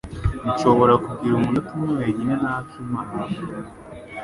Nshobora kugira umunota umwe wenyine na akimana?